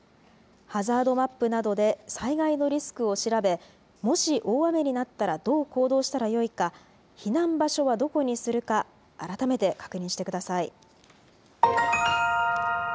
ハザードマップなどで災害のリスクを調べ、もし大雨になったらどう行動したらよいか、避難場所はどこにするか、改めて確認してください。